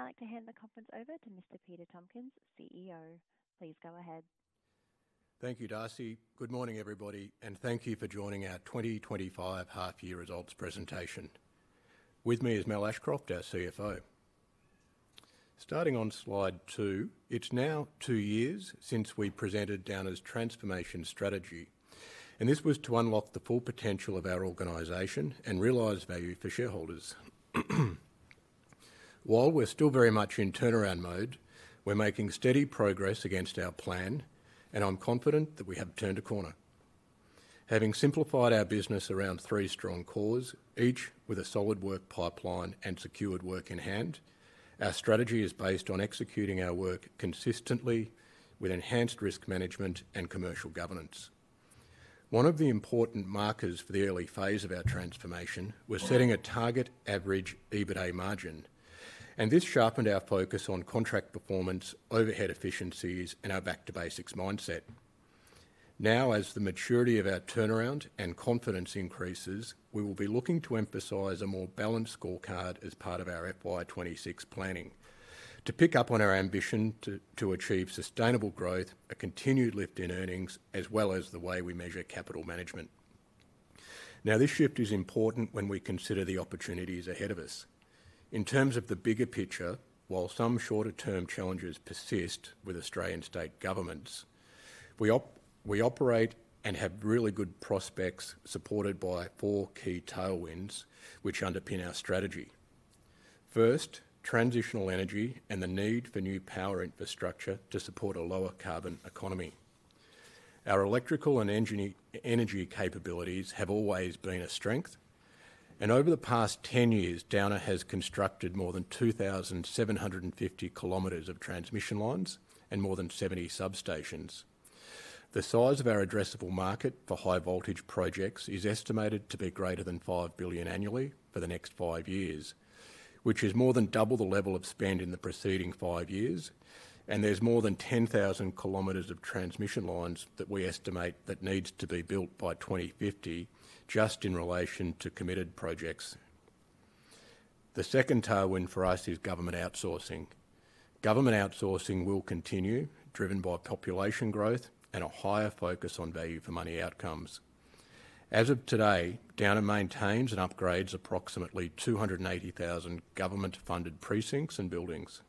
I would now like to hand the conference over to Mr. Peter Tompkins, CEO. Please go ahead. Thank you, Darcy. Good morning, everybody, and thank you for joining our 2025 half-year results presentation. With me is Mal Ashcroft, our CFO. Starting on Slide two, it's now two years since we presented Downer's transformation strategy, and this was to unlock the full potential of our organization and realize value for shareholders. While we're still very much in turnaround mode, we're making steady progress against our plan, and I'm confident that we have turned a corner. Having simplified our business around three strong cores, each with a solid work pipeline and secured work-in-hand, our strategy is based on executing our work consistently with enhanced risk management and commercial governance. One of the important markers for the early phase of our transformation was setting a target average EBITA margin, and this sharpened our focus on contract performance, overhead efficiencies, and our back-to-basics mindset. Now, as the maturity of our turnaround and confidence increases, we will be looking to emphasize a more balanced scorecard as part of our FY 2026 planning, to pick up on our ambition to achieve sustainable growth, a continued lift in earnings, as well as the way we measure capital management. Now, this shift is important when we consider the opportunities ahead of us. In terms of the bigger picture, while some shorter-term challenges persist with Australian state governments, we operate and have really good prospects supported by four key tailwinds which underpin our strategy. First, transitional energy and the need for new power infrastructure to support a lower carbon economy. Our electrical and energy capabilities have always been a strength, and over the past ten years, Downer has constructed more than 2,750 km of transmission lines and more than 70 substations. The size of our addressable market for high-voltage projects is estimated to be greater than 5 billion annually for the next five years, which is more than double the level of spend in the preceding five years, and there's more than 10,000 km of transmission lines that we estimate that needs to be built by 2050 just in relation to committed projects. The second tailwind for us is government outsourcing. Government outsourcing will continue, driven by population growth and a higher focus on value-for-money outcomes. As of today, Downer maintains and upgrades approximately 280,000 government-funded precincts and buildings.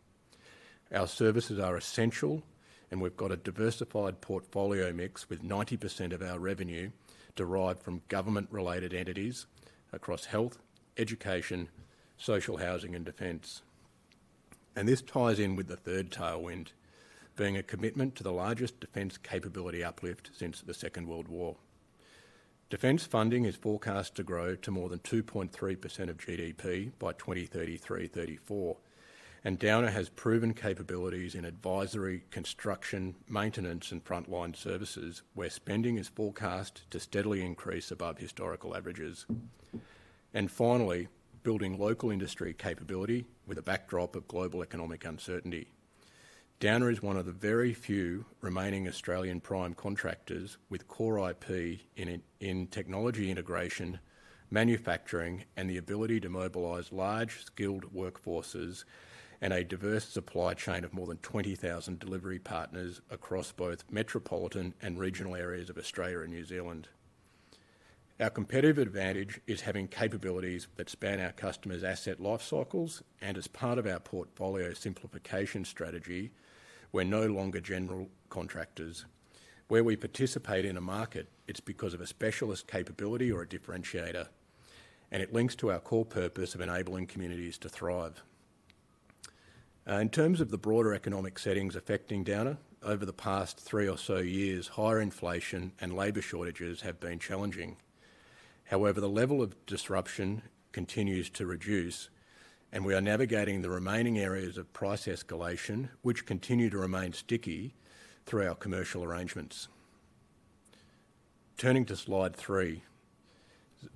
Our services are essential, and we've got a diversified portfolio mix with 90% of our revenue derived from government-related entities across health, education, social housing, and defense. And this ties in with the third tailwind, being a commitment to the largest defense capability uplift since the Second World War. Defense funding is forecast to grow to more than 2.3% of GDP by 2033-34, and Downer has proven capabilities in advisory construction, maintenance, and frontline services where spending is forecast to steadily increase above historical averages, and finally, building local industry capability with a backdrop of global economic uncertainty. Downer is one of the very few remaining Australian prime contractors with core IP in technology integration, manufacturing, and the ability to mobilize large, skilled workforces and a diverse supply chain of more than 20,000 delivery partners across both metropolitan and regional areas of Australia and New Zealand. Our competitive advantage is having capabilities that span our customers' asset life cycles and, as part of our portfolio simplification strategy, we're no longer general contractors. Where we participate in a market, it's because of a specialist capability or a differentiator, and it links to our core purpose of enabling communities to thrive. In terms of the broader economic settings affecting Downer, over the past three or so years, higher inflation and labor shortages have been challenging. However, the level of disruption continues to reduce, and we are navigating the remaining areas of price escalation, which continue to remain sticky through our commercial arrangements. Turning to Slide three.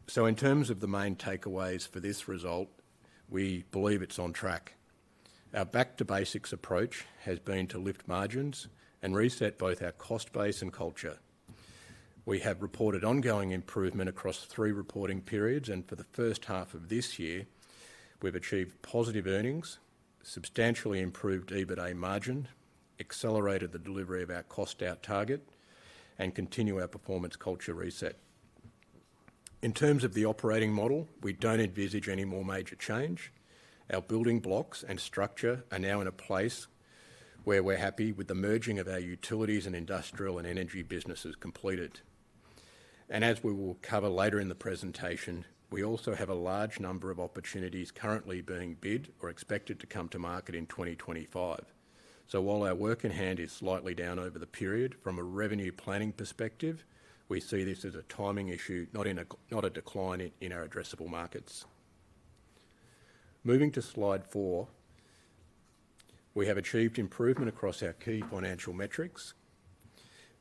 So, in terms of the main takeaways for this result, we believe it's on track. Our back-to-basics approach has been to lift margins and reset both our cost base and culture. We have reported ongoing improvement across three reporting periods, and for the first half of this year, we've achieved positive earnings, substantially improved EBITA margin, accelerated the delivery of our cost-out target, and continued our performance culture reset. In terms of the operating model, we don't envisage any more major change. Our building blocks and structure are now in a place where we're happy with the merging of our Utilities and Industrial & Energy businesses completed. And as we will cover later in the presentation, we also have a large number of opportunities currently being bid or expected to come to market in 2025. So, while our work-in-hand is slightly down over the period, from a revenue planning perspective, we see this as a timing issue, not a decline in our addressable markets. Moving to Slide four, we have achieved improvement across our key financial metrics.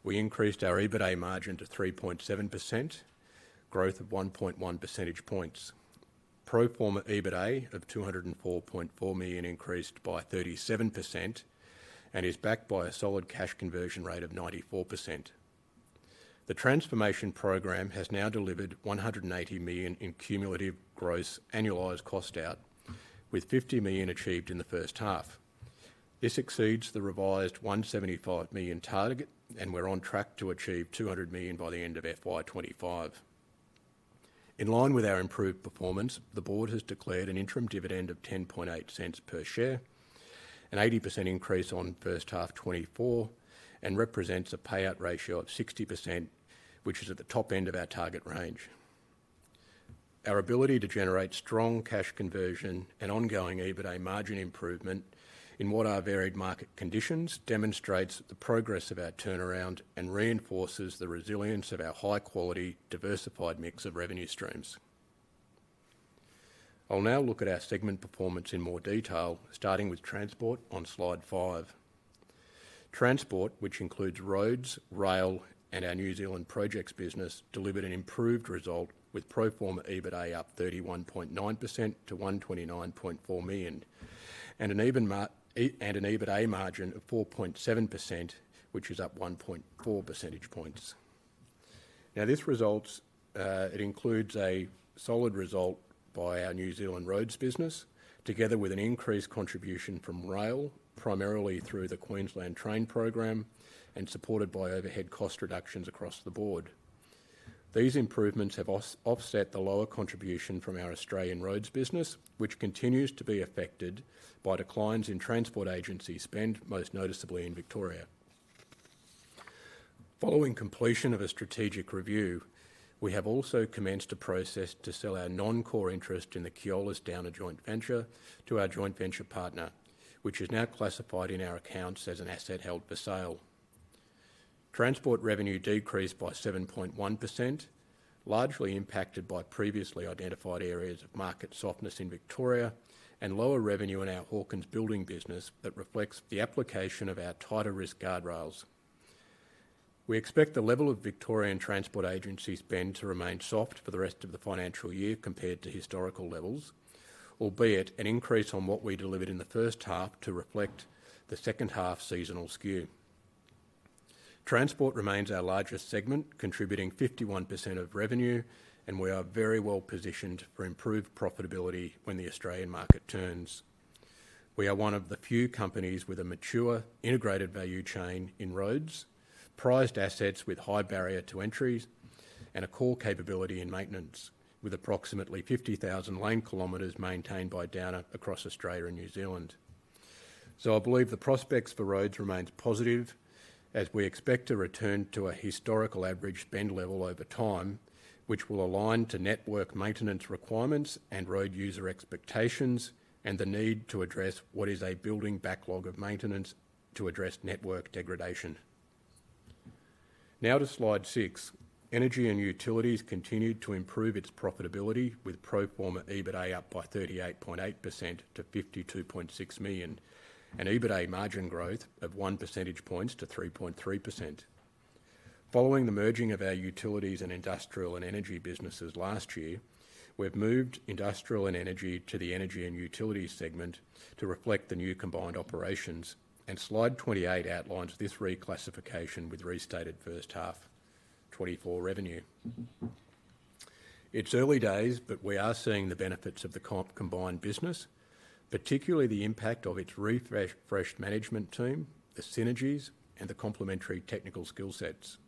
We increased our EBITA margin to 3.7%, growth of 1.1 percentage points, pro-forma EBITA of 204.4 million increased by 37%, and is backed by a solid cash conversion rate of 94%. The transformation program has now delivered 180 million in cumulative gross annualized cost out, with 50 million achieved in the first half. This exceeds the revised 175 million target, and we're on track to achieve 200 million by the end of FY 2025. In line with our improved performance, the board has declared an interim dividend of 0.108 per share, an 80% increase on first half 2024, and represents a payout ratio of 60%, which is at the top end of our target range. Our ability to generate strong cash conversion and ongoing EBITA margin improvement in what are varied market conditions demonstrates the progress of our turnaround and reinforces the resilience of our high-quality, diversified mix of revenue streams. I'll now look at our segment performance in more detail, starting with Transport on slide five. Transport, which includes roads, rail, and our New Zealand projects business, delivered an improved result with pro-forma EBITA up 31.9% to 129.4 million and an EBITA margin of 4.7%, which is up 1.4 percentage points. Now, this result includes a solid result by our New Zealand roads business, together with an increased contribution from rail, primarily through the Queensland train program and supported by overhead cost reductions across the board. These improvements have offset the lower contribution from our Australian roads business, which continues to be affected by declines in Transport agency spend, most noticeably in Victoria. Following completion of a strategic review, we have also commenced a process to sell our non-core interest in the Keolis Downer joint venture to our joint venture partner, which is now classified in our accounts as an asset held for sale. Transport revenue decreased by 7.1%, largely impacted by previously identified areas of market softness in Victoria and lower revenue in our Hawkins building business that reflects the application of our tighter risk guardrails. We expect the level of Victorian Transport Agency spend to remain soft for the rest of the financial year compared to historical levels, albeit an increase on what we delivered in the first half to reflect the second half seasonal skew. Transport remains our largest segment, contributing 51% of revenue, and we are very well positioned for improved profitability when the Australian market turns. We are one of the few companies with a mature integrated value chain in roads, prized assets with high barrier to entry, and a core capability in maintenance, with approximately 50,000 lane kilometers maintained by Downer across Australia and New Zealand. I believe the prospects for roads remain positive as we expect a return to a historical average spend level over time, which will align to network maintenance requirements and road user expectations and the need to address what is a building backlog of maintenance to address network degradation. Now to slide six. Energy and Utilities continued to improve its profitability with pro-forma EBITA up by 38.8% to 52.6 million and EBITA margin growth of 1%-3.3%. Following the merging of our Utilities and Industrial & Energy businesses last year, we've moved Industrial & Energy to the energy and utilities segment to reflect the new combined operations, and slide 28 outlines this reclassification with restated first half 2024 revenue. It's early days, but we are seeing the benefits of the combined business, particularly the impact of its refreshed management team, the synergies, and the complementary technical skill sets.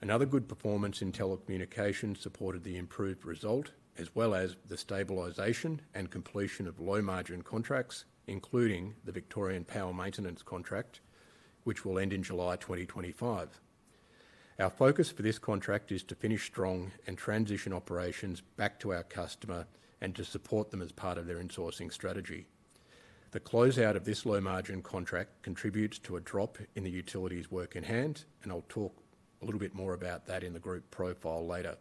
Another good performance in telecommunications supported the improved result, as well as the stabilization and completion of low-margin contracts, including the Victorian Power Maintenance contract, which will end in July 2025. Our focus for this contract is to finish strong and transition operations back to our customer and to support them as part of their insourcing strategy. The closeout of this low-margin contract contributes to a drop in the utilities work-in-hand, and I'll talk a little bit more about that in the group profile later.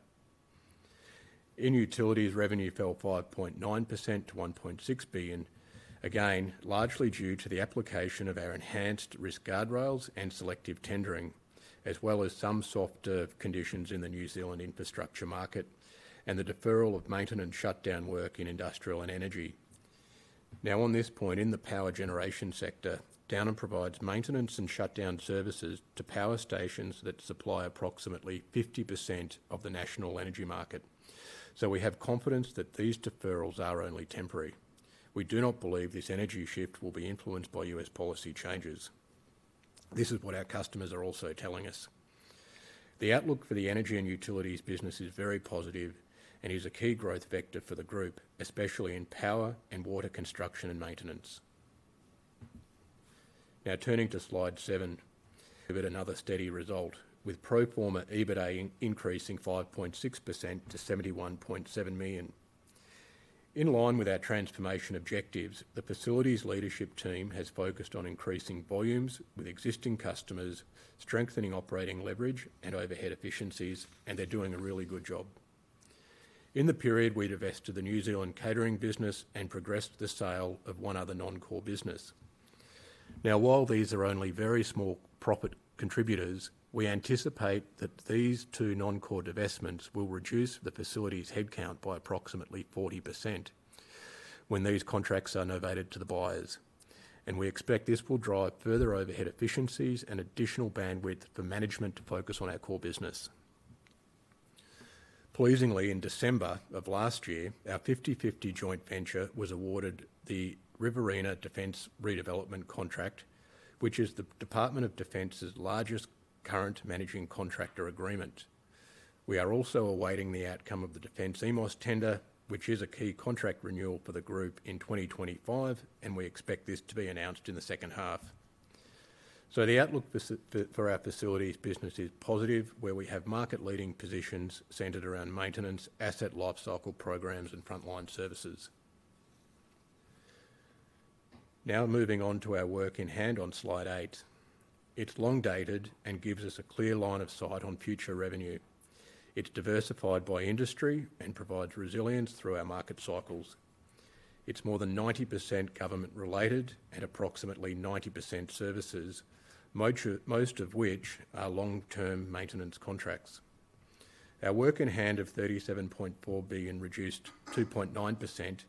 In utilities, revenue fell 5.9% to 1.6 billion, again, largely due to the application of our enhanced risk guardrails and selective tendering, as well as some soft conditions in the New Zealand infrastructure market and the deferral of maintenance shutdown work in industrial and energy. Now, on this point, in the power generation sector, Downer provides maintenance and shutdown services to power stations that supply approximately 50% of the national energy market. So, we have confidence that these deferrals are only temporary. We do not believe this energy shift will be influenced by U.S. policy changes. This is what our customers are also telling us. The outlook for the energy and utilities business is very positive and is a key growth vector for the group, especially in power and water construction and maintenance. Now, turning to slide seven. Another steady result with pro-forma EBITA increasing 5.6% to 71.7 million. In line with our transformation objectives, the Facilities leadership team has focused on increasing volumes with existing customers, strengthening operating leverage and overhead efficiencies, and they're doing a really good job. In the period, we divested the New Zealand catering business and progressed the sale of one other non-core business. Now, while these are only very small profit contributors, we anticipate that these two non-core divestments will reduce the Facilities headcount by approximately 40% when these contracts are novated to the buyers, and we expect this will drive further overhead efficiencies and additional bandwidth for management to focus on our core business. Pleasingly, in December of last year, our 50/50 joint venture was awarded the Riverina Defence Redevelopment contract, which is the Department of Defence's largest current managing contractor agreement. We are also awaiting the outcome of the Defence EMOS tender, which is a key contract renewal for the group in 2025, and we expect this to be announced in the second half. So, the outlook for our Facilities business is positive, where we have market-leading positions centered around maintenance, asset life cycle programs, and frontline services. Now, moving on to our work-in-hand on slide eight, it's long dated and gives us a clear line of sight on future revenue. It's diversified by industry and provides resilience through our market cycles. It's more than 90% government-related and approximately 90% services, most of which are long-term maintenance contracts. Our work-in-hand of 37.4 billion reduced 2.9%,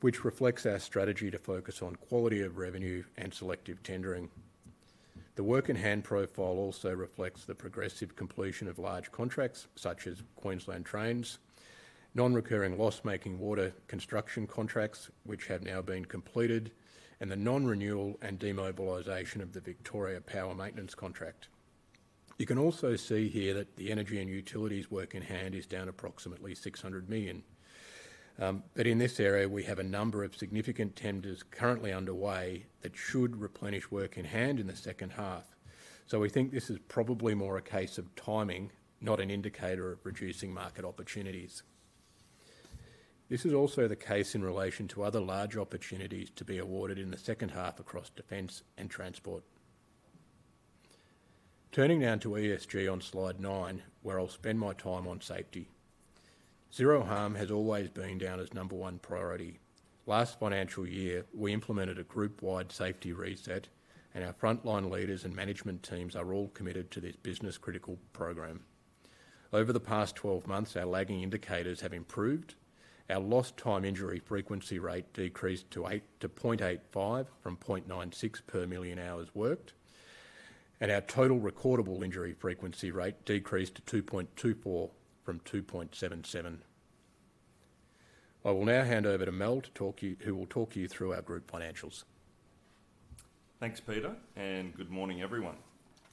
which reflects our strategy to focus on quality of revenue and selective tendering. The work-in-hand profile also reflects the progressive completion of large contracts such as Queensland trains, non-recurring loss-making water construction contracts, which have now been completed, and the non-renewal and demobilization of the Victorian Power Maintenance contract. You can also see here that the energy and utilities work-in-hand is down approximately 600 million, but in this area, we have a number of significant tenders currently underway that should replenish work-in-hand in the second half, so we think this is probably more a case of timing, not an indicator of reducing market opportunities. This is also the case in relation to other large opportunities to be awarded in the second half across defense and transport. Turning now to ESG on slide nine, where I'll spend my time on safety. Zero harm has always been Downer's number one priority. Last financial year, we implemented a group-wide safety reset, and our frontline leaders and management teams are all committed to this business-critical program. Over the past 12 months, our lagging indicators have improved. Our Lost Time Injury Frequency Rate decreased to 0.85 from 0.96 per million hours worked, and our Total Recordable Injury Frequency Rate decreased to 2.24 from 2.77. I will now hand over to Mal to talk to you, who will talk you through our group financials. Thanks, Peter, and good morning, everyone.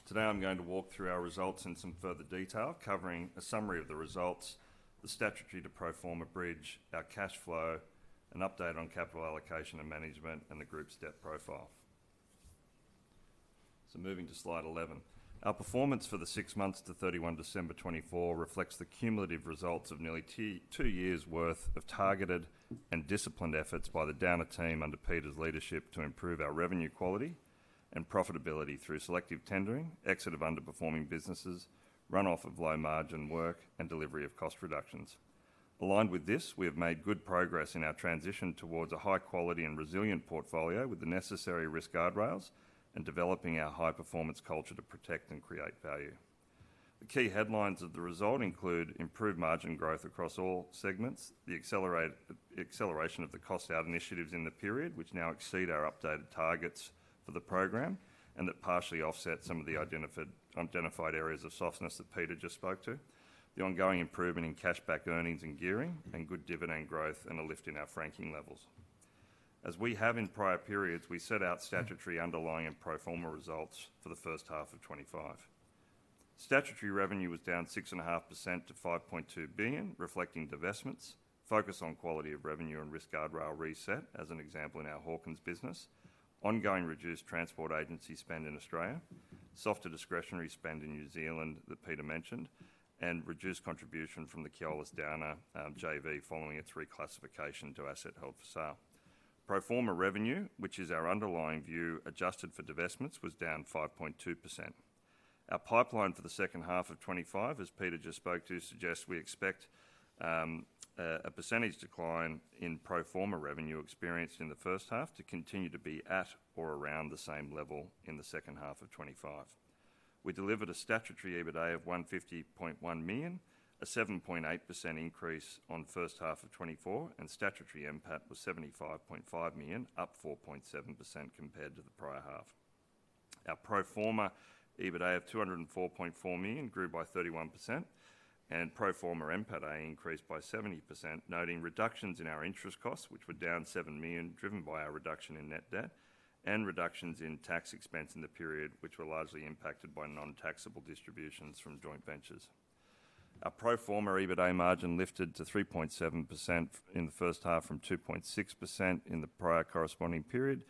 Today, I'm going to walk through our results in some further detail, covering a summary of the results, the statutory to pro-forma bridge, our cash flow, an update on capital allocation and management, and the group's debt profile. So, moving to Slide 11. Our performance for the six months to 31 December 2024 reflects the cumulative results of nearly two years' worth of targeted and disciplined efforts by the Downer team under Peter's leadership to improve our revenue quality and profitability through selective tendering, exit of underperforming businesses, run-off of low-margin work, and delivery of cost reductions. Aligned with this, we have made good progress in our transition towards a high-quality and resilient portfolio with the necessary risk guardrails and developing our high-performance culture to protect and create value. The key headlines of the result include improved margin growth across all segments, the acceleration of the cost-out initiatives in the period, which now exceed our updated targets for the program, and that partially offsets some of the identified areas of softness that Peter just spoke to, the ongoing improvement in cash-back earnings and gearing, and good dividend growth and a lift in our franking levels. As we have in prior periods, we set out statutory underlying and pro-forma results for the first half of 2025. Statutory revenue was down 6.5% to 5.2 billion, reflecting divestments, focus on quality of revenue and risk guardrail reset, as an example in our Hawkins business, on going reduced Transport Agency spend in Australia, softer discretionary spend in New Zealand that Peter mentioned, and reduced contribution from the Keolis Downer JV following a reclassification to asset held for sale. Pro-forma revenue, which is our underlying view adjusted for divestments, was down 5.2%. Our pipeline for the second half of 2025, as Peter just spoke to, suggests we expect a percentage decline in pro-forma revenue experienced in the first half to continue to be at or around the same level in the second half of 2025. We delivered a statutory EBITA of 150.1 million, a 7.8% increase on first half of 2024, and statutory NPATA was 75.5 million, up 4.7% compared to the prior half. Our pro-forma EBITA of 204.4 million grew by 31%, and pro-forma NPATA increased by 70%, noting reductions in our interest costs, which were down 7 million, driven by our reduction in net debt, and reductions in tax expense in the period, which were largely impacted by non-taxable distributions from joint ventures. Our pro-forma EBITA margin lifted to 3.7% in the first half from 2.6% in the prior corresponding period,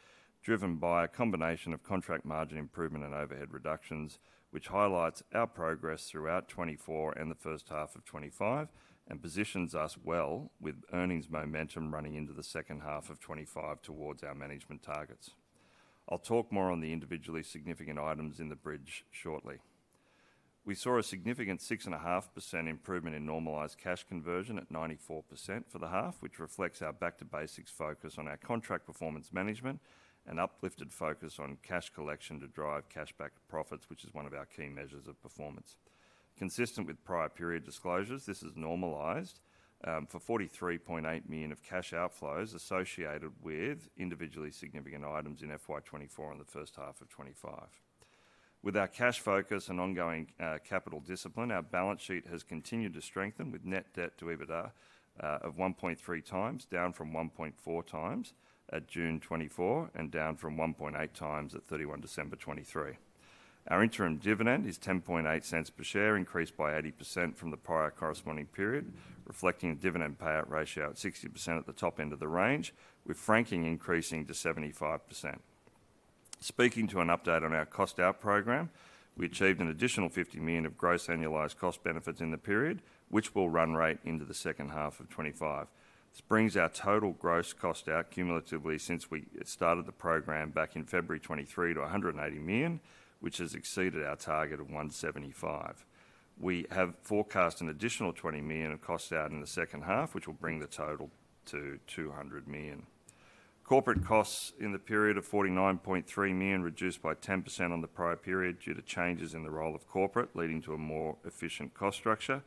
driven by a combination of contract margin improvement and overhead reductions, which highlights our progress throughout 2024 and the first half of 2025 and positions us well with earnings momentum running into the second half of 2025 towards our management targets. I'll talk more on the individually significant items in the bridge shortly. We saw a significant 6.5% improvement in normalized cash conversion at 94% for the half, which reflects our back-to-basics focus on our contract performance management and uplifted focus on cash collection to drive cash-back profits, which is one of our key measures of performance. Consistent with prior period disclosures, this has normalized for 43.8 million of cash outflows associated with individually significant items in FY 2024 and the first half of 2025. With our cash focus and ongoing capital discipline, our balance sheet has continued to strengthen with net debt to EBITA of 1.3x, down from 1.4x at June 2024 and down from 1.8x at 31 December 2023. Our interim dividend is 0.108 per share, increased by 80% from the prior corresponding period, reflecting a dividend payout ratio at 60% at the top end of the range, with franking increasing to 75%. Speaking to an update on our cost-out program, we achieved an additional 50 million of gross annualized cost benefits in the period, which we'll run rate into the second half of 2025. This brings our total gross cost-out cumulatively since we started the program back in February 2023 to 180 million, which has exceeded our target of 175 million. We have forecast an additional 20 million of cost-out in the second half, which will bring the total to 200 million. Corporate costs in the period of 49.3 million reduced by 10% on the prior period due to changes in the role of corporate, leading to a more efficient cost structure.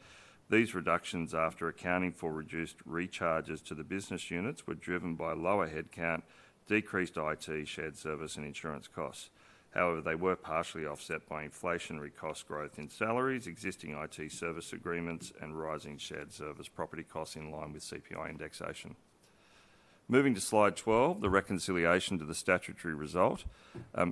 These reductions, after accounting for reduced recharges to the business units, were driven by lower headcount, decreased IT, shared service, and insurance costs. However, they were partially offset by inflationary cost growth in salaries, existing IT service agreements, and rising shared service property costs in line with CPI indexation. Moving to Slide 12, the reconciliation to the statutory result.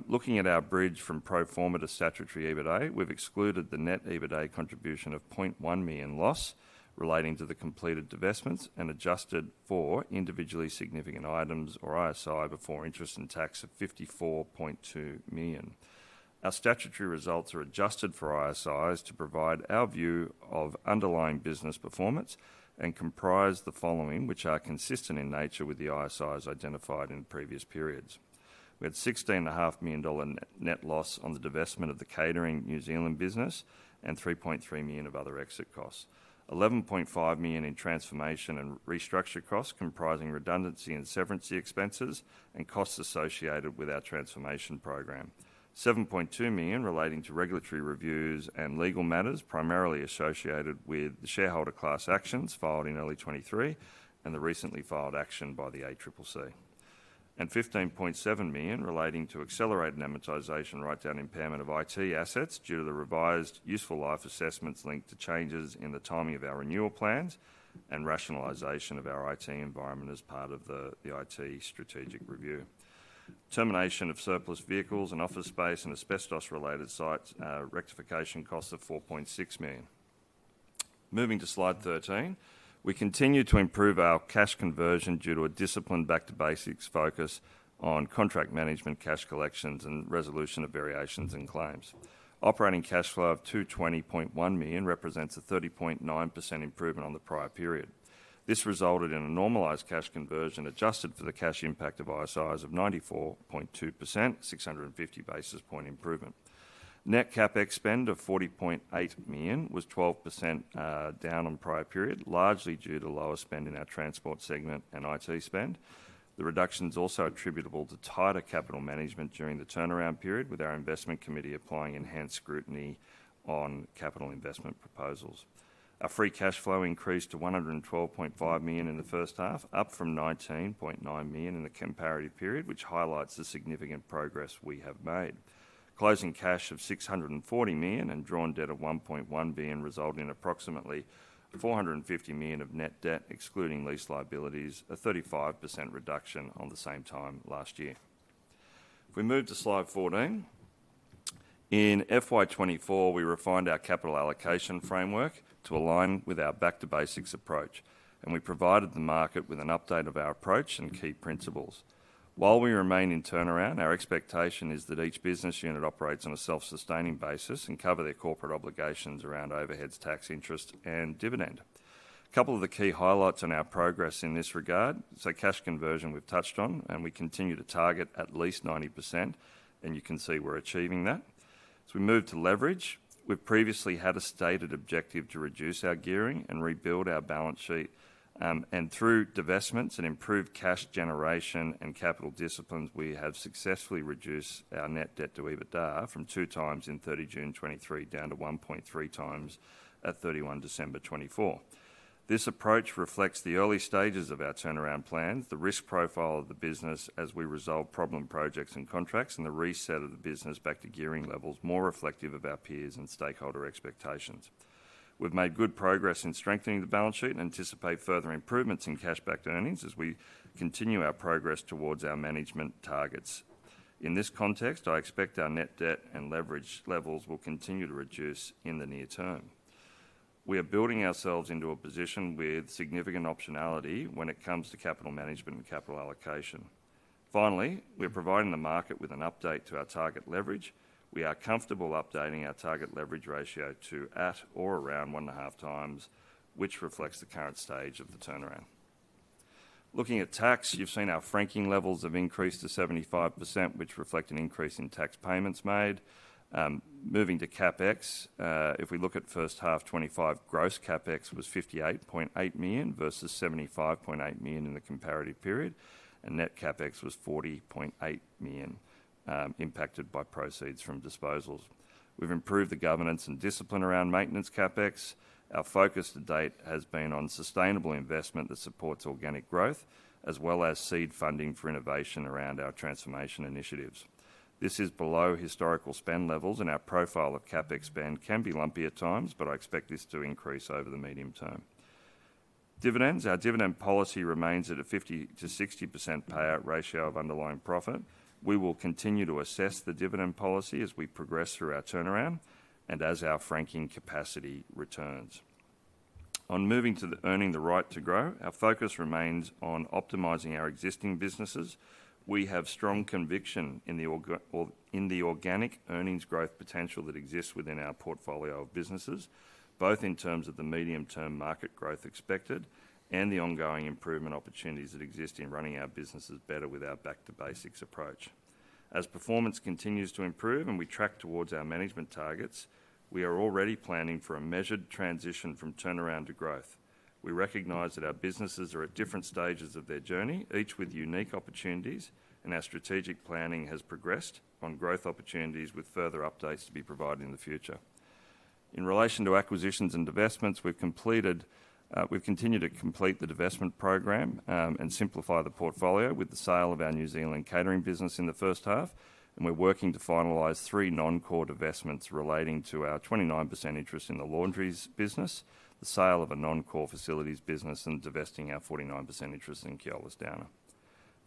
Looking at our bridge from pro-forma to statutory EBITA, we've excluded the net EBITA contribution of 0.1 million loss relating to the completed divestments and adjusted for individually significant items or ISI before interest and tax of 54.2 million. Our statutory results are adjusted for ISIs to provide our view of underlying business performance and comprise the following, which are consistent in nature with the ISIs identified in previous periods. We had 16.5 million dollar net loss on the divestment of the catering New Zealand business and 3.3 million of other exit costs, 11.5 million in transformation and restructure costs comprising redundancy and severance expenses and costs associated with our transformation program, 7.2 million relating to regulatory reviews and legal matters primarily associated with the shareholder class actions filed in early 2023 and the recently filed action by the ACCC, and 15.7 million relating to accelerated amortization write-down impairment of IT assets due to the revised useful life assessments linked to changes in the timing of our renewal plans and rationalization of our IT environment as part of the IT strategic review. Termination of surplus vehicles and office space and asbestos-related sites rectification costs of 4.6 million. Moving to Slide 13, we continue to improve our cash conversion due to a disciplined back-to-basics focus on contract management, cash collections, and resolution of variations in claims. Operating cash flow of 220.1 million represents a 30.9% improvement on the prior period. This resulted in a normalized cash conversion adjusted for the cash impact of ISIs of 94.2%, 650 basis point improvement. Net capex of 40.8 million was 12% down on prior period, largely due to lower spend in our Transport segment and IT spend. The reduction is also attributable to tighter capital management during the turnaround period, with our investment committee applying enhanced scrutiny on capital investment proposals. Our free cash flow increased to 112.5 million in the first half, up from 19.9 million in the comparative period, which highlights the significant progress we have made. Closing cash of 640 million and drawn debt of 1.1 billion resulted in approximately 450 million of net debt, excluding lease liabilities, a 35% reduction on the same time last year. If we move to Slide 14, in FY 2024, we refined our capital allocation framework to align with our back-to-basics approach, and we provided the market with an update of our approach and key principles. While we remain in turnaround, our expectation is that each business unit operates on a self-sustaining basis and covers their corporate obligations around overheads, tax interest, and dividend. A couple of the key highlights on our progress in this regard, so cash conversion we've touched on, and we continue to target at least 90%, and you can see we're achieving that. As we move to leverage, we've previously had a stated objective to reduce our gearing and rebuild our balance sheet, and through divestments and improved cash generation and capital disciplines, we have successfully reduced our net debt to EBITA from 2x in 30 June 2023 down to 1.3x at 31 December 2024. This approach reflects the early stages of our turnaround plans, the risk profile of the business as we resolve problem projects and contracts, and the reset of the business back to gearing levels more reflective of our peers and stakeholder expectations. We've made good progress in strengthening the balance sheet and anticipate further improvements in cash-backed earnings as we continue our progress towards our management targets. In this context, I expect our net debt and leverage levels will continue to reduce in the near term. We are building ourselves into a position with significant optionality when it comes to capital management and capital allocation. Finally, we're providing the market with an update to our target leverage. We are comfortable updating our target leverage ratio to at or around one and a half times, which reflects the current stage of the turnaround. Looking at tax, you've seen our franking levels have increased to 75%, which reflects an increase in tax payments made. Moving to CapEx, if we look at first half 2025, gross CapEx was 58.8 million versus 75.8 million in the comparative period, and net CapEx was 40.8 million impacted by proceeds from disposals. We've improved the governance and discipline around maintenance CapEx. Our focus to date has been on sustainable investment that supports organic growth, as well as seed funding for innovation around our transformation initiatives. This is below historical spend levels, and our profile of CapEx spend can be lumpy at times, but I expect this to increase over the medium term. Dividends, our dividend policy remains at a 50%-60% payout ratio of underlying profit. We will continue to assess the dividend policy as we progress through our turnaround and as our franking capacity returns. On moving to earning the right to grow, our focus remains on optimising our existing businesses. We have strong conviction in the organic earnings growth potential that exists within our portfolio of businesses, both in terms of the medium-term market growth expected and the ongoing improvement opportunities that exist in running our businesses better with our back-to-basics approach. As performance continues to improve and we track towards our management targets, we are already planning for a measured transition from turnaround to growth. We recognize that our businesses are at different stages of their journey, each with unique opportunities, and our strategic planning has progressed on growth opportunities with further updates to be provided in the future. In relation to acquisitions and divestments, we've continued to complete the divestment program and simplify the portfolio with the sale of our New Zealand catering business in the first half, and we're working to finalize three non-core divestments relating to our 29% interest in the laundries business, the sale of a non-core Facilities business, and divesting our 49% interest in Keolis Downer.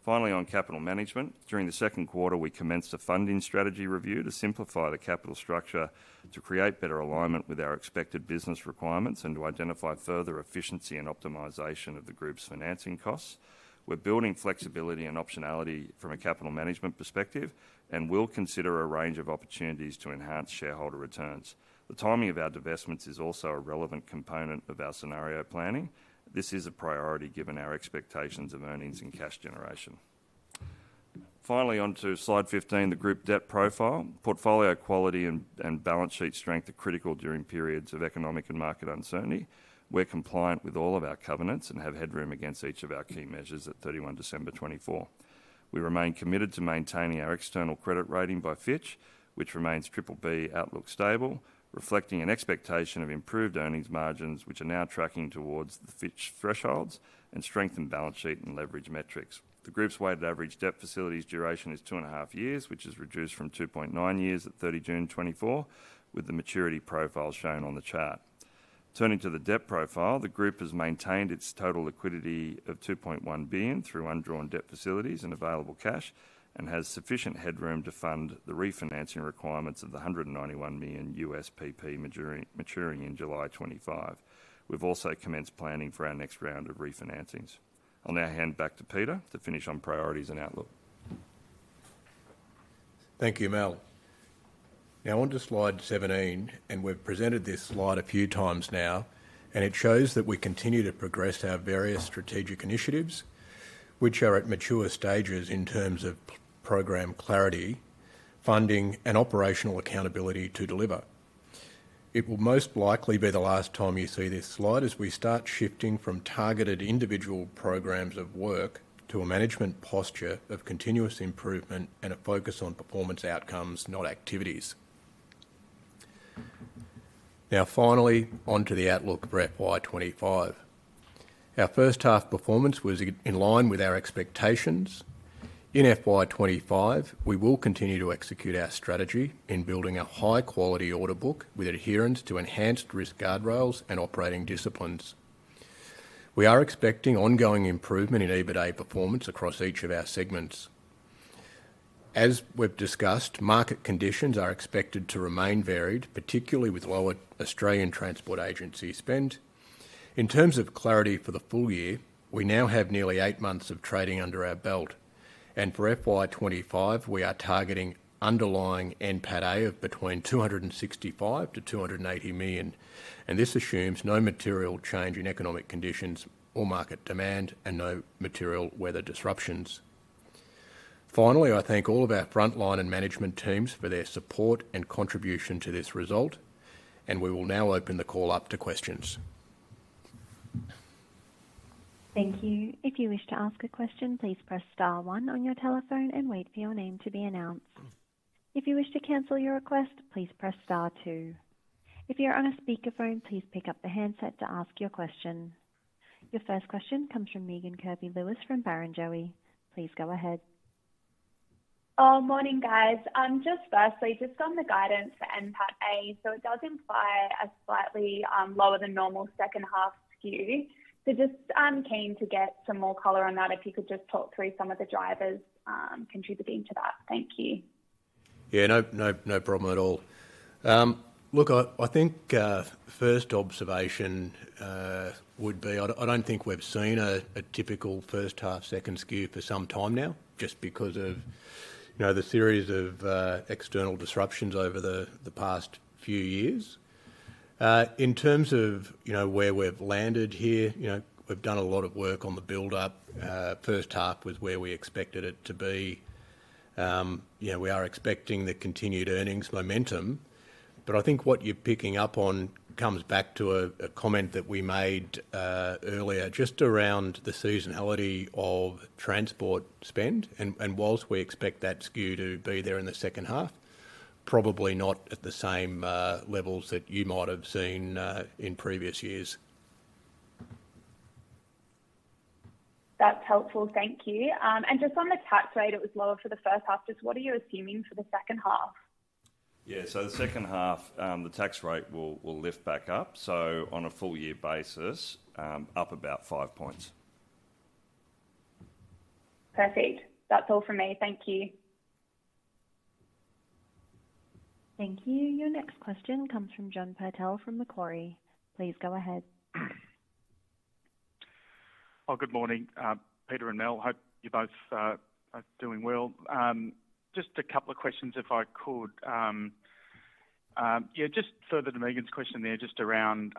Finally, on capital management, during the second quarter, we commenced a funding strategy review to simplify the capital structure to create better alignment with our expected business requirements and to identify further efficiency and optimization of the group's financing costs. We're building flexibility and optionality from a capital management perspective and will consider a range of opportunities to enhance shareholder returns. The timing of our divestments is also a relevant component of our scenario planning. This is a priority given our expectations of earnings and cash generation. Finally, onto Slide 15, the group debt profile. Portfolio quality and balance sheet strength are critical during periods of economic and market uncertainty. We're compliant with all of our covenants and have headroom against each of our key measures at 31 December 2024. We remain committed to maintaining our external credit rating by Fitch, which remains BBB outlook stable, reflecting an expectation of improved earnings margins, which are now tracking towards the Fitch thresholds and strengthened balance sheet and leverage metrics. The group's weighted average debt facilities duration is two and a half years, which is reduced from 2.9 years at 30 June 2024, with the maturity profile shown on the chart. Turning to the debt profile, the group has maintained its total liquidity of 2.1 billion through undrawn debt facilities and available cash and has sufficient headroom to fund the refinancing requirements of the $191 million USPP maturing in July 2025. We've also commenced planning for our next round of refinancings. I'll now hand back to Peter to finish on priorities and outlook. Thank you, Mal. Now onto Slide 17, and we've presented this slide a few times now, and it shows that we continue to progress our various strategic initiatives, which are at mature stages in terms of program clarity, funding, and operational accountability to deliver. It will most likely be the last time you see this slide as we start shifting from targeted individual programs of work to a management posture of continuous improvement and a focus on performance outcomes, not activities. Now finally, onto the outlook for FY 2025. Our first half performance was in line with our expectations. In FY 2025, we will continue to execute our strategy in building a high-quality order book with adherence to enhanced risk guardrails and operating disciplines. We are expecting ongoing improvement in EBITA performance across each of our segments. As we've discussed, market conditions are expected to remain varied, particularly with lower Australian transport agency spend. In terms of clarity for the full year, we now have nearly eight months of trading under our belt, and for FY2025, we are targeting underlying NPATA of between 265 million-280 million, and this assumes no material change in economic conditions or market demand and no material weather disruptions. Finally, I thank all of our frontline and management teams for their support and contribution to this result, and we will now open the call up to questions. Thank you. If you wish to ask a question, please press star one on your telephone and wait for your name to be announced. If you wish to cancel your request, please press star two. If you're on a speakerphone, please pick up the handset to ask your question. Your first question comes from Megan Kirby-Lewis from Barrenjoey. Please go ahead. Oh, morning, guys. Just firstly, just on the guidance for NPATA, so it does imply a slightly lower than normal second half skew. So just keen to get some more color on that if you could just talk through some of the drivers contributing to that. Thank you. Yeah, no problem at all. Look, I think first observation would be I don't think we've seen a typical first half second skew for some time now just because of the series of external disruptions over the past few years. In terms of where we've landed here, we've done a lot of work on the build-up. First half was where we expected it to be. We are expecting the continued earnings momentum, but I think what you're picking up on comes back to a comment that we made earlier just around the seasonality of transport spend, and while we expect that skew to be there in the second half, probably not at the same levels that you might have seen in previous years. That's helpful. Thank you. And just on the tax rate, it was lower for the first half. Just what are you assuming for the second half? Yeah, so the second half, the tax rate will lift back up. So on a full year basis, up about five points. Perfect. That's all for me. Thank you. Thank you. Your next question comes from John Purtell from Macquarie. Please go ahead. Oh, good morning, Peter and Mel. Hope you're both doing well. Just a couple of questions if I could. Yeah, just further to Megan's question there, just around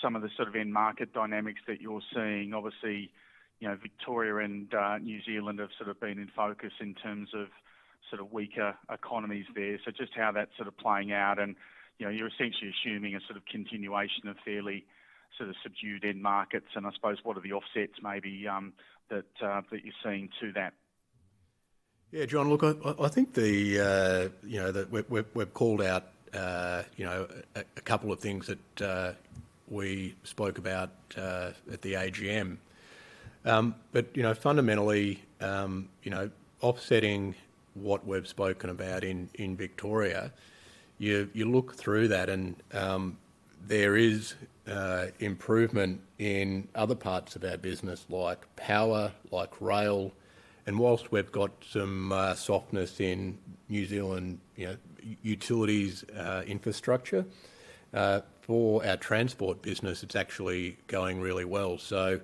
some of the sort of end market dynamics that you're seeing. Obviously, Victoria and New Zealand have sort of been in focus in terms of sort of weaker economies there. So just how that's sort of playing out, and you're essentially assuming a sort of continuation of fairly sort of subdued end markets. And I suppose what are the offsets maybe that you're seeing to that? Yeah, John, look, I think that we've called out a couple of things that we spoke about at the AGM. But fundamentally, offsetting what we've spoken about in Victoria, you look through that and there is improvement in other parts of our business like power, like rail. And while we've got some softness in New Zealand utilities infrastructure, for our Transport business, it's actually going really well. So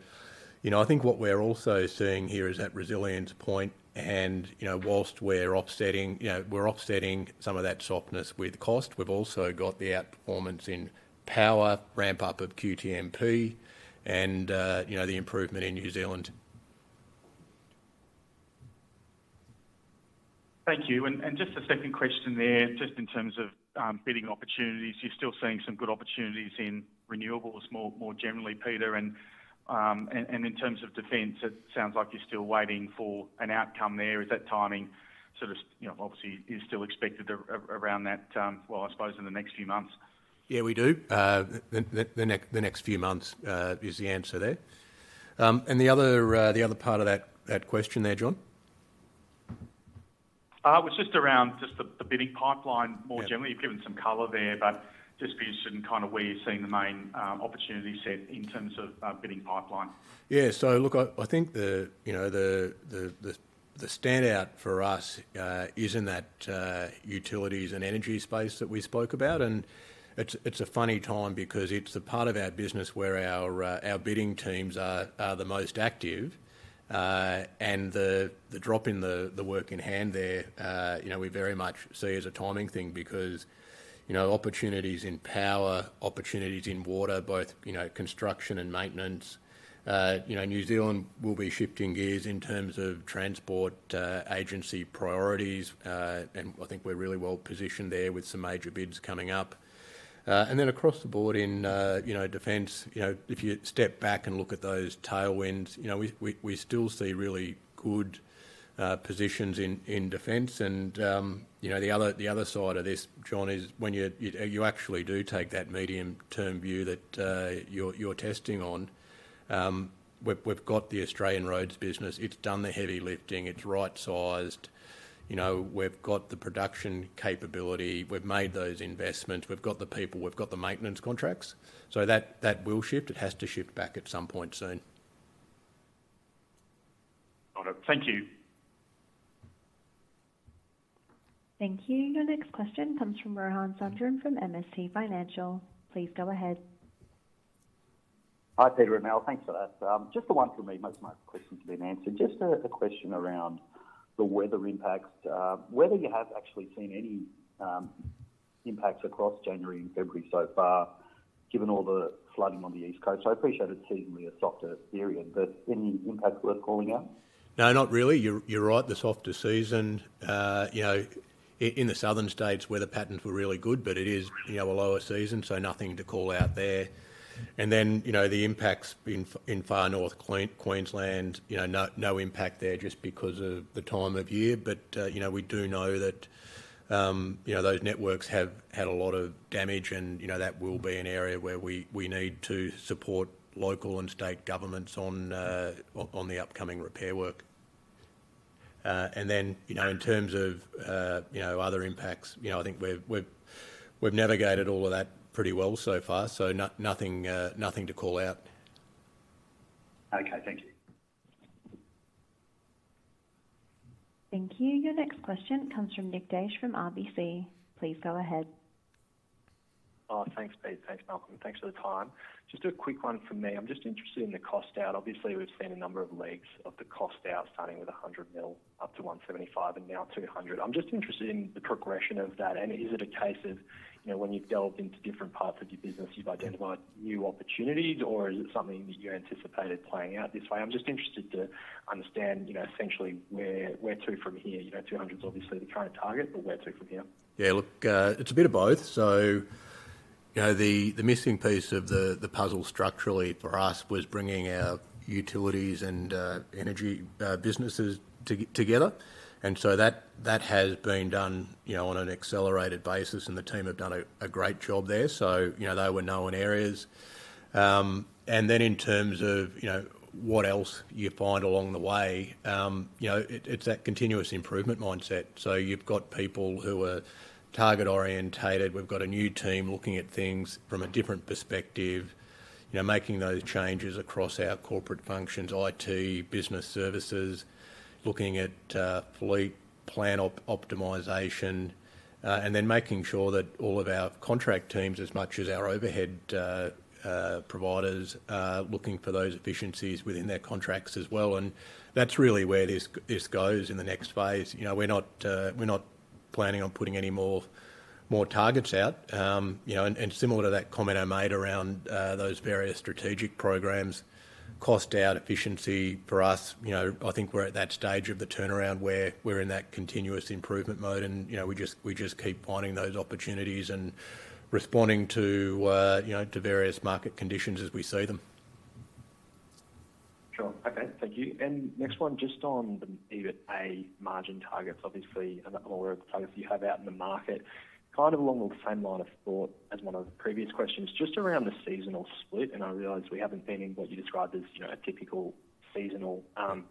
I think what we're also seeing here is that resilience point, and while we're offsetting some of that softness with cost, we've also got the outperformance in power, ramp-up of QTMP, and the improvement in New Zealand. Thank you. And just a second question there, just in terms of bidding opportunities, you're still seeing some good opportunities in renewables more generally, Peter. And in terms of defense, it sounds like you're still waiting for an outcome there. Is that timing sort of obviously still expected around that, well, I suppose in the next few months? Yeah, we do. The next few months is the answer there. And the other part of that question there, John? It was just around just the bidding pipeline more generally. You've given some color there, but just for you to sort of kind of where you're seeing the main opportunity set in terms of bidding pipeline? Yeah, so look, I think the standout for us is in that utilities and energy space that we spoke about. And it's a funny time because it's the part of our business where our bidding teams are the most active. And the drop in the work-in-hand there, we very much see as a timing thing because opportunities in power, opportunities in water, both construction and maintenance. New Zealand will be shifting gears in terms of Transport agency priorities, and I think we're really well positioned there with some major bids coming up. And then across the board in defense, if you step back and look at those tailwinds, we still see really good positions in defense. And the other side of this, John, is when you actually do take that medium-term view that you're testing on. We've got the Australian roads business. It's done the heavy lifting. It's right-sized. We've got the production capability. We've made those investments. We've got the people. We've got the maintenance contracts. So that will shift. It has to shift back at some point soon. Thank you. Thank you. Your next question comes from Rohan Sundram from MST Financial. Please go ahead. Hi, Peter and Mal. Thanks for that. Just the one for me. Most of my questions have been answered. Just a question around the weather impacts. Whether you have actually seen any impacts across January and February so far, given all the flooding on the East Coast. I appreciate it's seasonally a softer period, but any impacts worth calling out? No, not really. You're right. The softer season. In the southern states, weather patterns were really good, but it is a lower season, so nothing to call out there, and then the impacts in Far North Queensland, no impact there just because of the time of year, but we do know that those networks have had a lot of damage, and that will be an area where we need to support local and state governments on the upcoming repair work, and then in terms of other impacts, I think we've navigated all of that pretty well so far, so nothing to call out. Okay, thank you. Thank you. Your next question comes from Nich Daish from RBC. Please go ahead. Thanks, Pete. Thanks, Malcolm. Thanks for the time. Just a quick one for me. I'm just interested in the cost out. Obviously, we've seen a number of legs of the cost out starting with 100 million up to 175 million and now 200 million. I'm just interested in the progression of that. And is it a case of when you've delved into different parts of your business, you've identified new opportunities, or is it something that you anticipated playing out this way? I'm just interested to understand essentially where to from here. 200 million is obviously the current target, but where to from here? Yeah, look, it's a bit of both. So the missing piece of the puzzle structurally for us was bringing our utilities and energy businesses together. And so that has been done on an accelerated basis, and the team have done a great job there. So they were known areas. And then in terms of what else you find along the way, it's that continuous improvement mindset. So you've got people who are target-oriented. We've got a new team looking at things from a different perspective, making those changes across our corporate functions, IT, business services, looking at fleet plan optimization, and then making sure that all of our contract teams, as much as our overhead providers, are looking for those efficiencies within their contracts as well. And that's really where this goes in the next phase. We're not planning on putting any more targets out. And similar to that comment I made around those various strategic programs, cost out efficiency for us. I think we're at that stage of the turnaround where we're in that continuous improvement mode, and we just keep finding those opportunities and responding to various market conditions as we see them. Sure. Okay, thank you. And next one, just on the EBITA margin targets, obviously, and I'm aware of the targets you have out in the market, kind of along the same line of thought as one of the previous questions, just around the seasonal split. And I realize we haven't been in what you described as a typical seasonal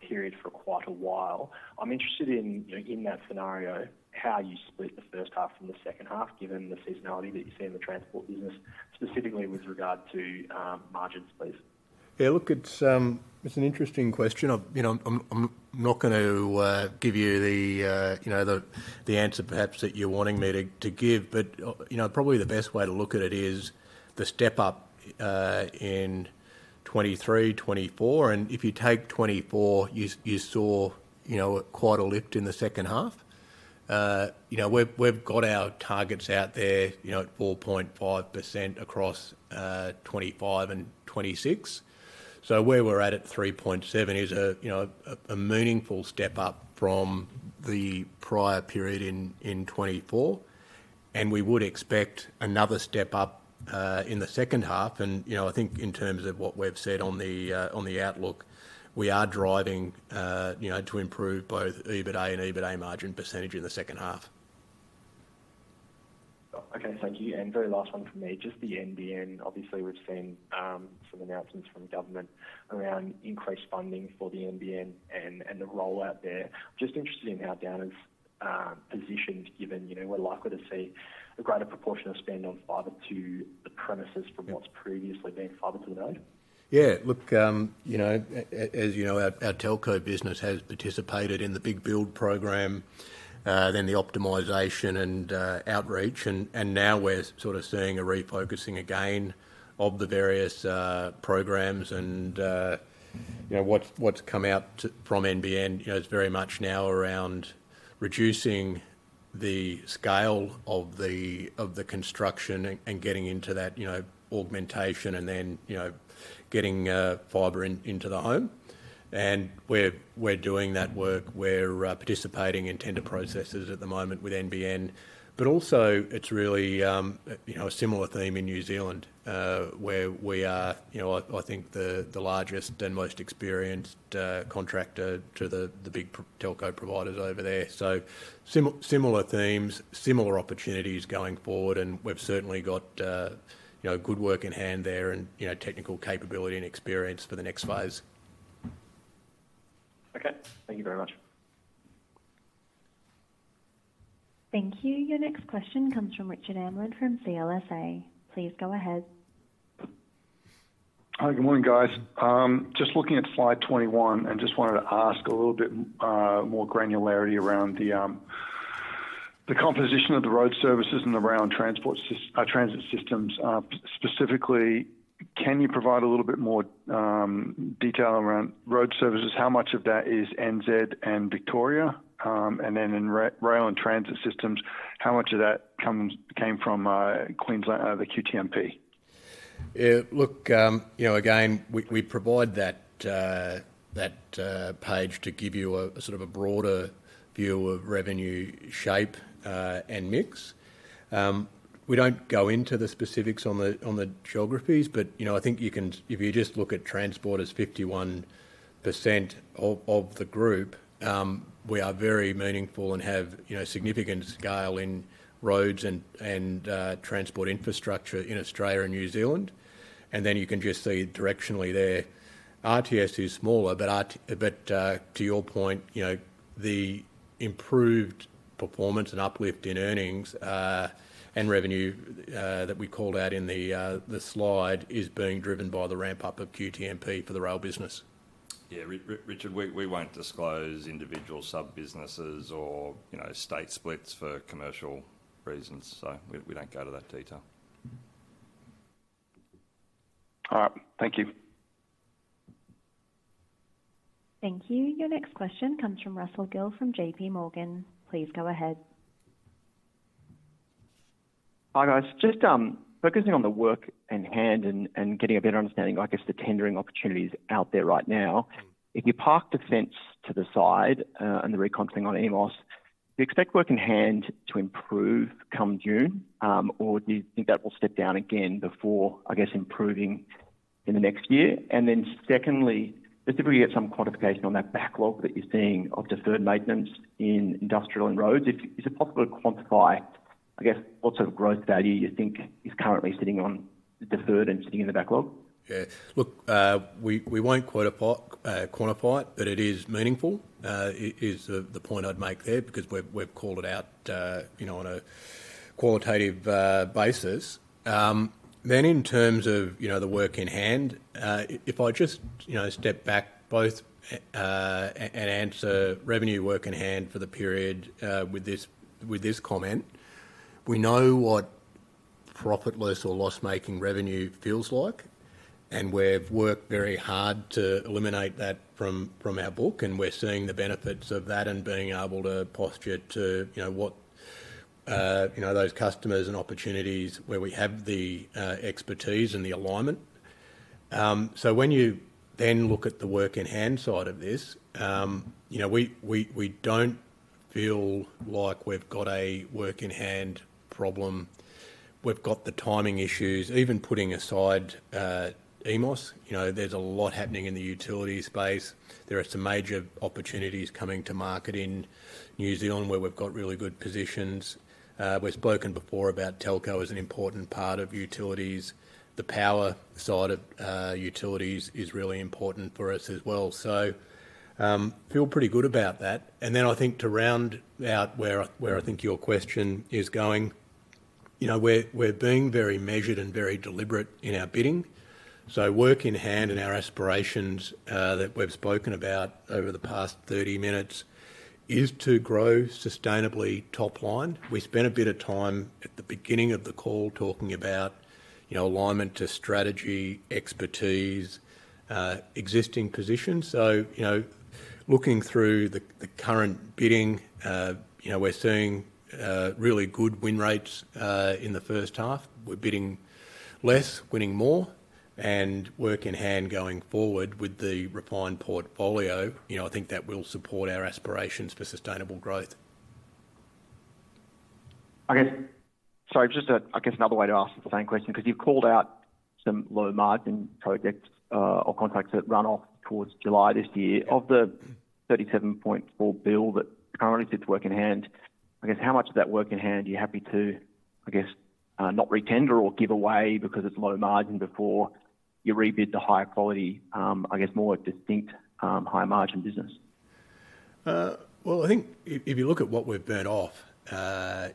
period for quite a while. I'm interested in that scenario, how you split the first half from the second half, given the seasonality that you see in the Transport business, specifically with regard to margins, please. Yeah, look, it's an interesting question. I'm not going to give you the answer perhaps that you're wanting me to give, but probably the best way to look at it is the step up in 2023, 2024. And if you take 2024, you saw quite a lift in the second half. We've got our targets out there at 4.5% across 2025 and 2026. So where we're at 3.7% is a meaningful step up from the prior period in 2024. And we would expect another step up in the second half. And I think in terms of what we've said on the outlook, we are driving to improve both EBITA and EBITA margin percentage in the second half. Okay, thank you. And very last one for me, just the NBN. Obviously, we've seen some announcements from government around increased funding for the NBN and the rollout there. Just interested in how Downer's positioned, given we're likely to see a greater proportion of spend on fiber to the premises from what's previously been fiber to the node. Yeah, look, as you know, our telco business has participated in the big build program, then the optimization and outreach. And now we're sort of seeing a refocusing again of the various programs and what's come out from NBN. It's very much now around reducing the scale of the construction and getting into that augmentation and then getting fiber into the home. And we're doing that work. We're participating in tender processes at the moment with NBN. But also it's really a similar theme in New Zealand where we are, I think, the largest and most experienced contractor to the big telco providers over there. So similar themes, similar opportunities going forward. And we've certainly got good work-in-hand there and technical capability and experience for the next phase. Okay, thank you very much. Thank you. Your next question comes from Richard Amland from CLSA. Please go ahead. Hi, good morning, guys. Just looking at Slide 21 and just wanted to ask a little bit more granularity around the composition of the road services and around transit systems. Specifically, can you provide a little bit more detail around road services? How much of that is NZ and Victoria? And then in rail and transit systems, how much of that came from Queensland, the QTMP? Yeah, look, again, we provide that page to give you a sort of a broader view of revenue shape and mix. We don't go into the specifics on the geographies, but I think if you just look at transport as 51% of the group, we are very meaningful and have significant scale in roads and Transport Infrastructure in Australia and New Zealand. And then you can just see directionally there, RTS is smaller, but to your point, the improved performance and uplift in earnings and revenue that we called out in the slide is being driven by the ramp-up of QTMP for the rail business. Yeah, Richard, we won't disclose individual sub-businesses or state splits for commercial reasons. So we don't go to that detail. All right, thank you. Thank you. Your next question comes from Russell Gill from J.P. Morgan. Please go ahead. Hi guys. Just focusing on the work-in-hand and getting a better understanding, I guess, the tendering opportunities out there right now. If you park Defense to the side and the recon thing on EMOS, do you expect work-in-hand to improve come June, or do you think that will step down again before, I guess, improving in the next year? And then secondly, just if we get some quantification on that backlog that you're seeing of deferred maintenance in industrial and roads, is it possible to quantify, I guess, what sort of growth value you think is currently sitting on deferred and sitting in the backlog? Yeah, look, we won't quantify it, but it is meaningful, is the point I'd make there because we've called it out on a qualitative basis. Then in terms of the work-in-hand, if I just step back both and answer revenue work-in-hand for the period with this comment, we know what profitless or loss-making revenue feels like. And we've worked very hard to eliminate that from our book, and we're seeing the benefits of that and being able to posture to what those customers and opportunities where we have the expertise and the alignment. So when you then look at the work-in-hand side of this, we don't feel like we've got a work-in-hand problem. We've got the timing issues. Even putting aside EMOS, there's a lot happening in the utility space. There are some major opportunities coming to market in New Zealand where we've got really good positions. We've spoken before about telco as an important part of utilities. The power side of utilities is really important for us as well. So feel pretty good about that. And then I think to round out where I think your question is going, we're being very measured and very deliberate in our bidding. So work-in-hand and our aspirations that we've spoken about over the past 30 minutes is to grow sustainably topline. We spent a bit of time at the beginning of the call talking about alignment to strategy, expertise, existing positions. So looking through the current bidding, we're seeing really good win rates in the first half. We're bidding less, winning more, and work-in-hand going forward with the refined portfolio, I think that will support our aspirations for sustainable growth. I guess, sorry, just I guess another way to ask the same question because you've called out some low-margin projects or contracts that run off towards July this year. Of the 37.4 billion that currently sits work-in-hand, I guess how much of that work-in-hand are you happy to, I guess, not retender or give away because it's low-margin before you rebid the higher quality, I guess, more distinct high margin business? I think if you look at what we've burned off,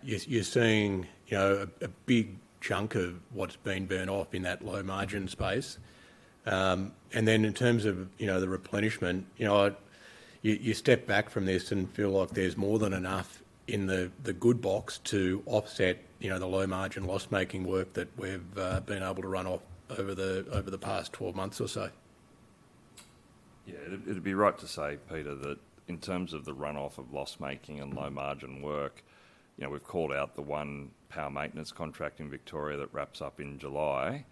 you're seeing a big chunk of what's been burned off in that low-margin space. Then in terms of the replenishment, you step back from this and feel like there's more than enough in the good box to offset the low-margin loss-making work that we've been able to run off over the past 12 months or so. Yeah, it'd be right to say, Peter, that in terms of the runoff of loss-making and low-margin work, we've called out the one power maintenance contract in Victoria that wraps up in July.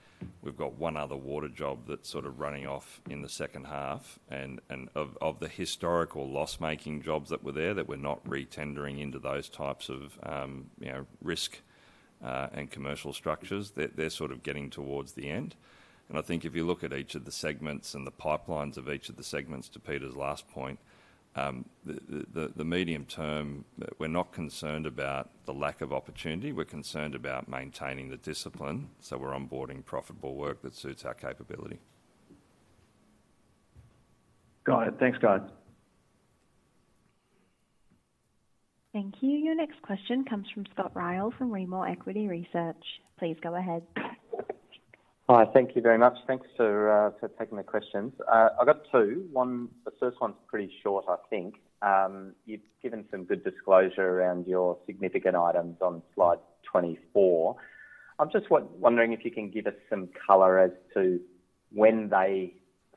We've got one other water job that's sort of running off in the second half. Of the historical loss-making jobs that were there, that we're not retendering into those types of risk and commercial structures, they're sort of getting towards the end. And I think if you look at each of the segments and the pipelines of each of the segments to Peter's last point, the medium term, we're not concerned about the lack of opportunity. We're concerned about maintaining the discipline. So we're onboarding profitable work that suits our capability. Got it. Thanks, guys. Thank you. Your next question comes from Scott Ryall from Rimor Equity Research. Please go ahead. Hi, thank you very much. Thanks for taking the questions. I've got two. The first one's pretty short, I think. You've given some good disclosure around your significant items on Slide 24. I'm just wondering if you can give us some color as to when they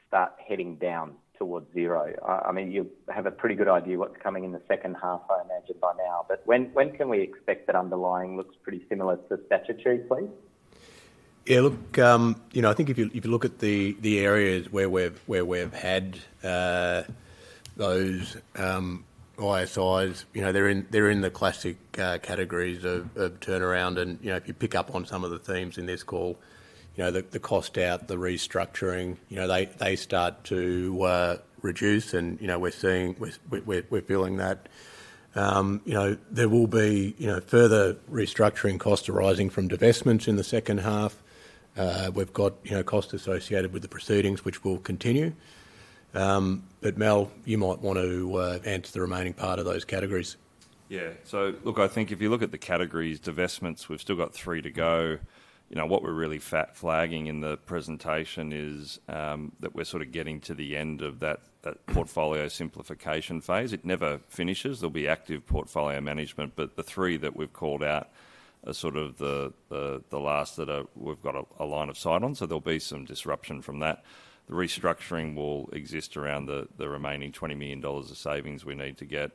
start heading down towards zero. I mean, you have a pretty good idea what's coming in the second half, I imagine, by now. But when can we expect that underlying looks pretty similar to statutory, please? Yeah, look, I think if you look at the areas where we've had those ISIs, they're in the classic categories of turnaround. And if you pick up on some of the themes in this call, the cost out, the restructuring, they start to reduce. And we're feeling that. There will be further restructuring costs arising from divestments in the second half. We've got costs associated with the proceedings, which will continue. But Mal, you might want to answer the remaining part of those categories. Yeah. So look, I think if you look at the categories, divestments, we've still got three to go. What we're really flagging in the presentation is that we're sort of getting to the end of that portfolio simplification phase. It never finishes. There'll be active portfolio management, but the three that we've called out are sort of the last that we've got a line of sight on. So there'll be some disruption from that. The restructuring will exist around the remaining $20 million of savings we need to get.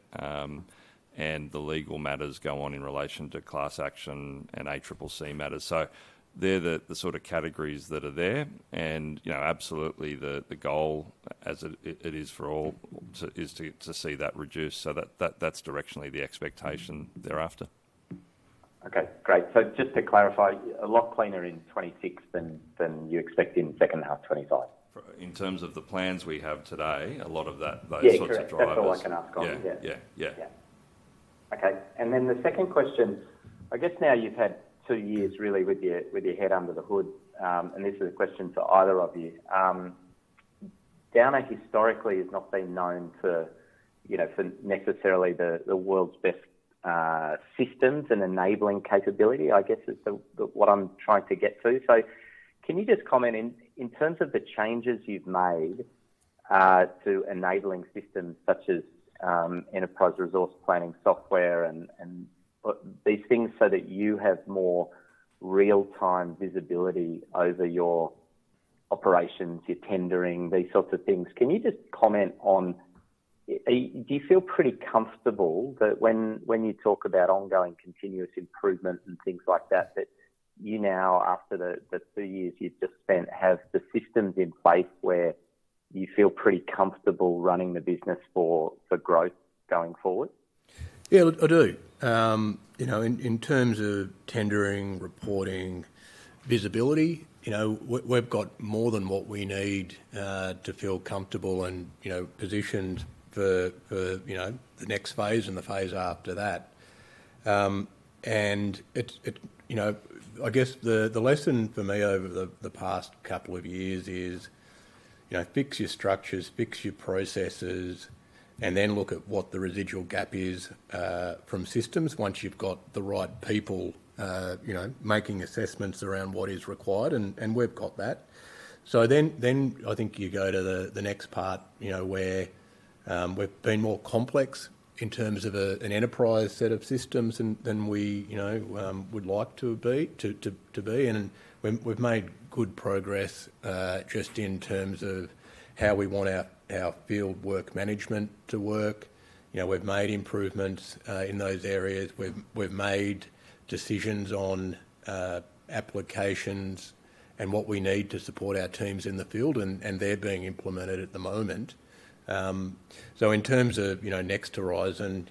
And the legal matters go on in relation to class action and ACCC matters. So they're the sort of categories that are there. And absolutely, the goal as it is for all is to see that reduce. So that's directionally the expectation thereafter. Okay, great. So just to clarify, a lot cleaner in 26 than you expect in second half 25. In terms of the plans we have today, a lot of those sorts of drivers. Yeah, that's all I can ask on. Yeah. Yeah. Yeah. Okay. And then the second question, I guess now you've had two years really with your head under the hood. And this is a question for either of you. Downer historically has not been known for necessarily the world's best systems and enabling capability, I guess, is what I'm trying to get to. So can you just comment in terms of the changes you've made to enabling systems such as enterprise resource planning software and these things so that you have more real-time visibility over your operations, your tendering, these sorts of things? Can you just comment on, do you feel pretty comfortable that when you talk about ongoing continuous improvement and things like that, that you now, after the two years you've just spent, have the systems in place where you feel pretty comfortable running the business for growth going forward? Yeah, I do. In terms of tendering, reporting, visibility, we've got more than what we need to feel comfortable and positioned for the next phase and the phase after that. And I guess the lesson for me over the past couple of years is fix your structures, fix your processes, and then look at what the residual gap is from systems once you've got the right people making assessments around what is required. And we've got that. So then I think you go to the next part where we've been more complex in terms of an enterprise set of systems than we would like to be. And we've made good progress just in terms of how we want our fieldwork management to work. We've made improvements in those areas. We've made decisions on applications and what we need to support our teams in the field, and they're being implemented at the moment. So in terms of next horizon,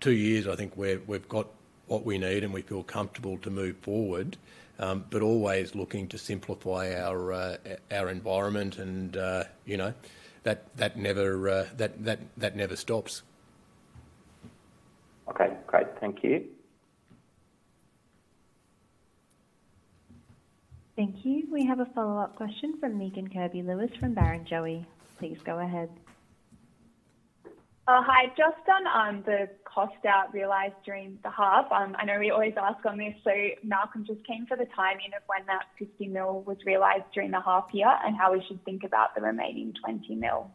two years, I think we've got what we need and we feel comfortable to move forward, but always looking to simplify our environment. And that never stops. Okay, great. Thank you. Thank you. We have a follow-up question from Megan Kirby-Lewis from Barrenjoey. Please go ahead. Hi, Just on the cost out realized during the half. I know we always ask on this. So, Malcolm, just comment on the timing of when that 50 million was realized during the half year and how we should think about the remaining 20 million.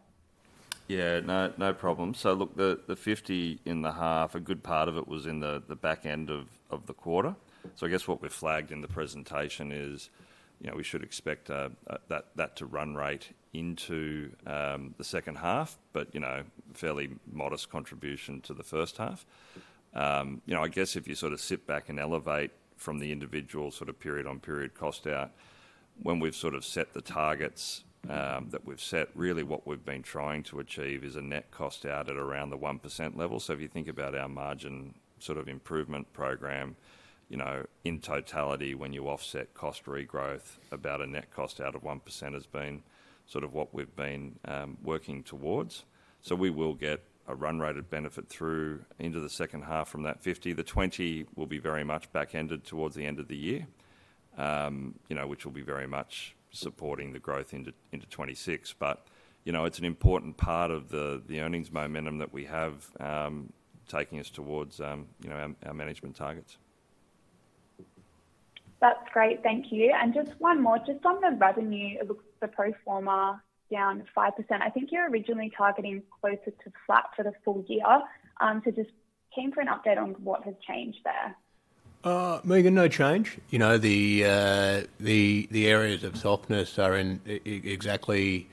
Yeah, no problem. So look, the 50 million in the half, a good part of it was in the back end of the quarter. So I guess what we've flagged in the presentation is we should expect that to run right into the second half, but fairly modest contribution to the first half. I guess if you sort of sit back and elevate from the individual sort of period-on-period cost out, when we've sort of set the targets that we've set, really what we've been trying to achieve is a net cost out at around the 1% level. So if you think about our margin sort of improvement program, in totality, when you offset cost regrowth, about a net cost out of 1% has been sort of what we've been working towards. So we will get a run-rated benefit through into the second half from that 50. The 20 will be very much back-ended towards the end of the year, which will be very much supporting the growth into 2026. But it's an important part of the earnings momentum that we have taking us towards our management targets. That's great. Thank you. And just one more. Just on the revenue, it looks the pro forma down 5%. I think you're originally targeting closer to flat for the full year. So just came for an update on what has changed there. Megan, no change. The areas of softness are in exactly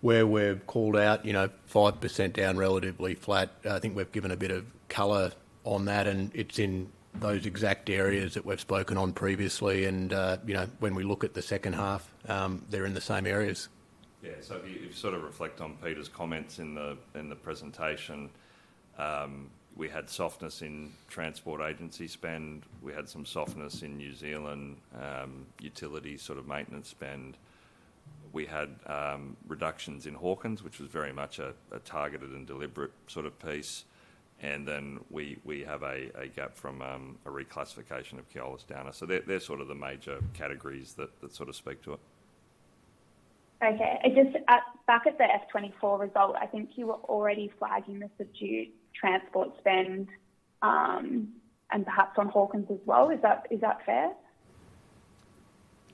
where we've called out 5% down relatively flat. I think we've given a bit of color on that. And it's in those exact areas that we've spoken on previously. And when we look at the second half, they're in the same areas. Yeah. So if you sort of reflect on Peter's comments in the presentation, we had softness in Transport Agency spend. We had some softness in New Zealand utility sort of maintenance spend. We had reductions in Hawkins, which was very much a targeted and deliberate sort of piece. And then we have a gap from a reclassification of Keolis Downer. So they're sort of the major categories that sort of speak to it. Okay. Just back at the FY 2024 result, I think you were already flagging the subdued transport spend and perhaps on Hawkins as well. Is that fair?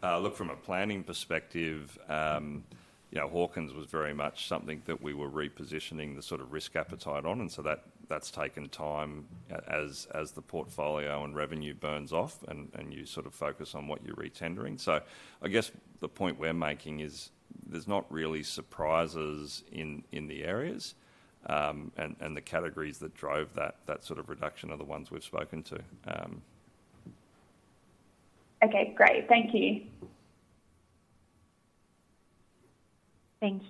Look, from a planning perspective, Hawkins was very much something that we were repositioning the sort of risk appetite on. And so that's taken time as the portfolio and revenue burns off and you sort of focus on what you're retendering. So I guess the point we're making is there's not really surprises in the areas. And the categories that drove that sort of reduction are the ones we've spoken to. Okay. Great. Thank you. Thank you.